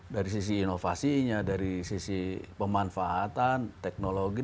dari sisi inovasinya dari sisi pemanfaatan teknologi